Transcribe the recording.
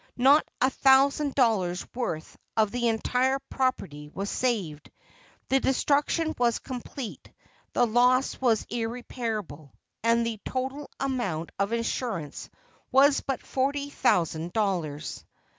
Not a thousand dollars worth of the entire property was saved; the destruction was complete; the loss was irreparable, and the total amount of insurance was but forty thousand dollars.